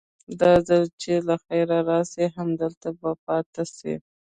دا ځل چې له خيره راسي همدلته به پاته سي.